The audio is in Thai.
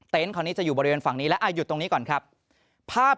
เต็นของนี้จะอยู่บริเวณฝั่งนี้และอยู่ตรงนี้ก่อนครับภาพ